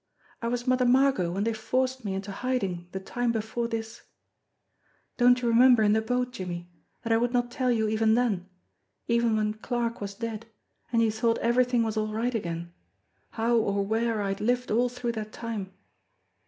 I was Mother Margot when they forced me into hiding the time before this. Don't you remember in the boat, Jimmie, that I would not tell you even then, even when Clarke was dead and you thought everything was all right again, how or where I had lived all through that time?"